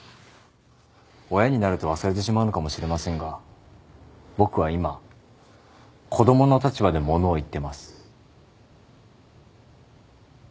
親になると忘れてしまうのかもしれませんが僕は今子供の立場で物を言ってます。